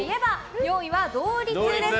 ４位は同率です。